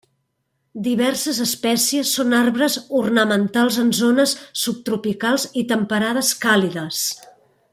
Diverses espècies són arbres ornamentals en zones subtropicals i temperades càlides.